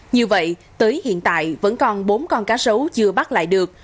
như vậy tới hiện tại vẫn còn bốn con cá sấu chưa bắt lại được